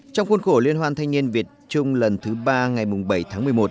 trong khuôn khổ liên hoan thanh niên việt trung lần thứ ba ngày bảy tháng một mươi một